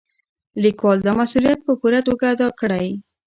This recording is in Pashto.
لیکوال دا مسؤلیت په پوره توګه ادا کړی.